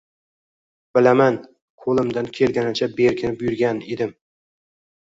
- Bilaman, qo'limdan kelganicha berkinib yurgan edim...